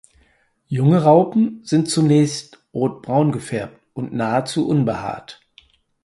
Junge Raupen sind zunächst rotbraun gefärbt und nahezu unbehaart.